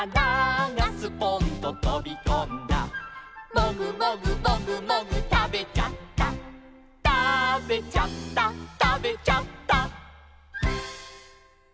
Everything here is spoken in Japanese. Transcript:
「モグモグモグモグたべちゃった」「たべちゃったたべちゃった」